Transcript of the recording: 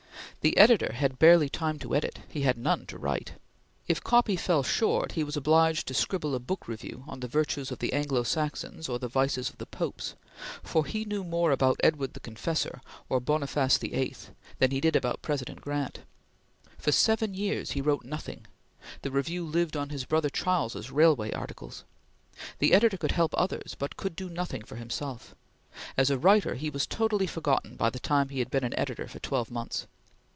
The editor had barely time to edit; he had none to write. If copy fell short, he was obliged to scribble a book review on the virtues of the Anglo Saxons or the vices of the Popes; for he knew more about Edward the Confessor or Boniface VIII than he did about President Grant. For seven years he wrote nothing; the Review lived on his brother Charles's railway articles. The editor could help others, but could do nothing for himself. As a writer, he was totally forgotten by the time he had been an editor for twelve months.